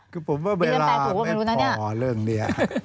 คือผมว่าเวลาไม่พอเรื่องนี้